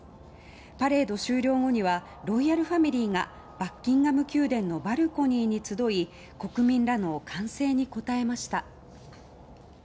パレード終了後にはロイヤルファミリーがバッキンガム宮殿のバルコニーに集い国民らの歓声に応えました。